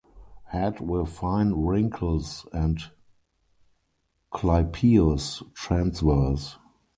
Head with fine wrinkles and clypeus transverse.